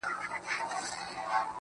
سیاه پوسي ده، دا دی لا خاندي